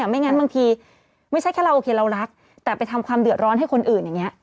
ไม่งั้นบางทีไม่ใช่แค่เราโอเคเรารักแต่ไปทำความเดือดร้อนให้คนอื่นอย่างนี้